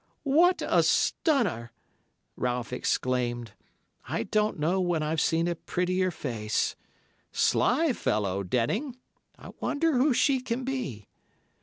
"'What a stunner!' Ralph exclaimed. 'I don't know when I've seen a prettier face! Sly fellow, Denning! I wonder who she can be!